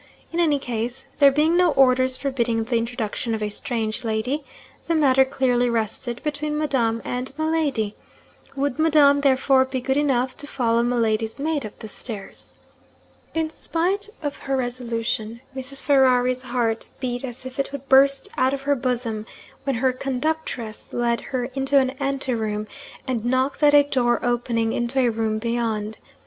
In any case, there being no orders forbidding the introduction of a strange lady, the matter clearly rested between Madame and Miladi. Would Madame, therefore, be good enough to follow Miladi's maid up the stairs?' In spite of her resolution, Mrs. Ferrari's heart beat as if it would burst out of her bosom, when her conductress led her into an ante room, and knocked at a door opening into a room beyond.